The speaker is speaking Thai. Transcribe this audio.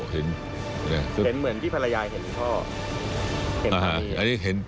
เห็นเหมือนพี่พระยายเห็นพ่อ